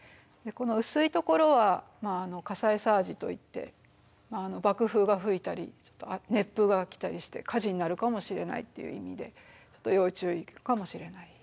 この薄いところは火砕サージといって爆風が吹いたり熱風が来たりして火事になるかもしれないっていう意味でちょっと要注意かもしれない。